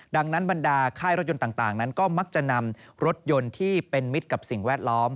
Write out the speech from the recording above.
ดังนั้นบรรดาค่ายรถยนต์ต่างนั้นก็มักจะนำรถยนต์ที่เป็นมิตรกับสิ่งแวดล้อม